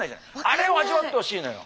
あれを味わってほしいのよ。